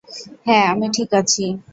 হ্যাঁঁ, আমি ঠিক আছি।